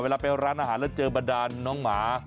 เวลาไปร้านอาหารแล้วเจอบรรดานน้องหมา